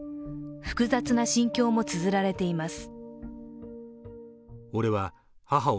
複雑な心境もつづられています。